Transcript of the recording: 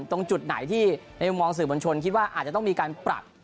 ตรงจุดไหนที่ในมุมมองสื่อมวลชนคิดว่าอาจจะต้องมีการปรับ